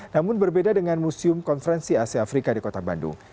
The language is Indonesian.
namun berbeda dengan museum konferensi asia afrika di kota bandung